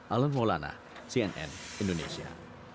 alan molana cnn indonesia